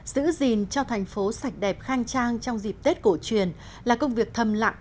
giữ gìn cho thành phố sạch đẹp khang trang trong dịp tết cổ truyền là công việc thầm lặng